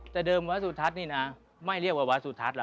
แต่เดิมวัดสุทัศน์นี่นะไม่เรียกว่าวัดสุทัศน์